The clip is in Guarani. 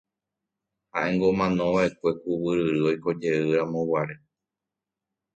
Ha'éngo omanova'ekue ku guyryry oikojeyramoguare.